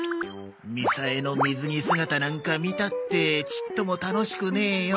みさえの水着姿なんか見たってちっとも楽しくねえよ！